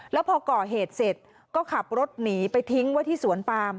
แล้วพอก่อเหตุเสร็จก็ขับรถหนีไปทิ้งไว้ที่สวนปาม